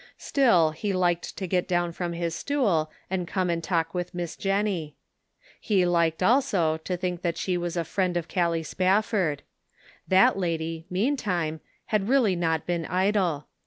Still, he liked to get down from his stool and come and talk with Miss Jennie. He liked also, to think that she was a friend of Gallic Spafford. That lady, meantime, had really not been idle.